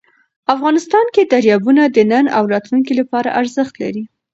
افغانستان کې دریابونه د نن او راتلونکي لپاره ارزښت لري.